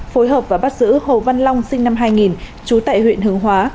phối hợp và bắt giữ hồ văn long sinh năm hai nghìn trú tại huyện hướng hóa